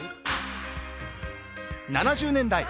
７０年代。